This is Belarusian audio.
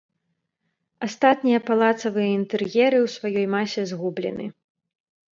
Астатнія палацавыя інтэр'еры ў сваёй масе згублены.